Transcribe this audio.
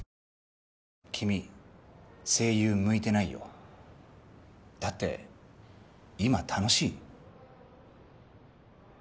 君声優向いてないよだって今楽しい？